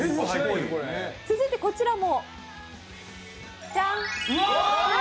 続いてこちらも、ジャン！